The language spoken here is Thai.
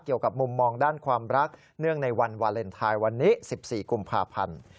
เกี่ยวกับมุมมองด้านความรักเนื่องในวันวาเลนไทยวันนี้๑๔กุมภาพันธ์